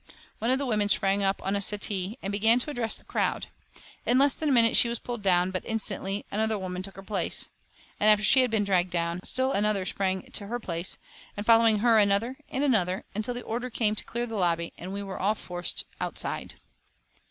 One of the women sprang up on a settee and began to address the crowd. In less than a minute she was pulled down, but instantly another woman took her place; and after she had been dragged down, still another sprang to her place, and following her another and another, until the order came to clear the lobby, and we were all forced outside.